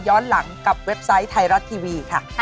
หลังกับเว็บไซต์ไทยรัฐทีวีค่ะ